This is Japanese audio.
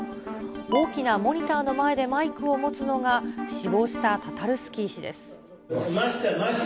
大きなモニターの前でマイクを持つのが、死亡したタタルスキー氏です。